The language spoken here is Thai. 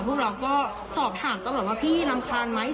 พวกเราก็สอบถามตลอดว่าพี่รำคาญไหม